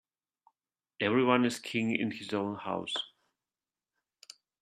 Every one is king in his own house.